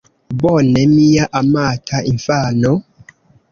Bone, mia amata infano?